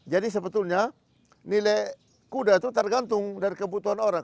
jadi sebetulnya nilai kuda itu tergantung dari kebutuhan orang